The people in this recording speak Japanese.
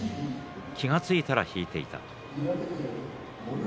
気が付いたら引いていたと。